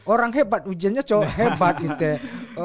orang hebat ujiannya cowok hebat gitu